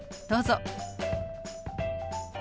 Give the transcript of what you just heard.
どうぞ。